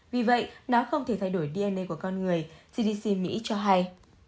vì vậy nó không thể thay đổi dn của con người cdc mỹ cho hay